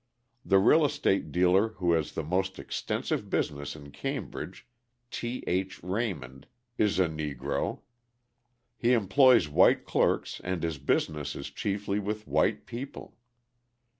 The real estate dealer who has the most extensive business in Cambridge, T. H. Raymond, is a Negro. He employs white clerks and his business is chiefly with white people.